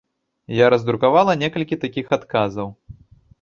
Я раздрукавала некалькі такіх адказаў.